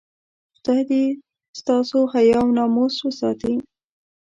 خدای دې ستاسو حیا او ناموس وساتي.